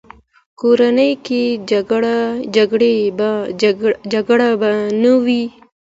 کورنۍ جګړې به نه وې.